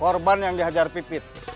korban yang dihajar pipit